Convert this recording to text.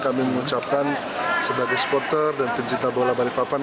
kami mengucapkan sebagai supporter dan pencinta bola balikpapan